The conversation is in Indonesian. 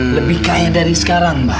lebih kaya dari sekarang mbak